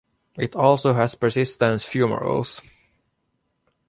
It also has persistent fumaroles.